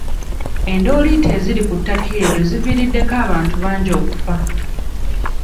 Endooliito eziri ku ttaka eryo ziviiriddeko abantu bangi okufa.